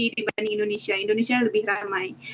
dibanding indonesia indonesia lebih ramai